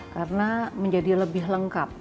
karena menjadi lebih lengkap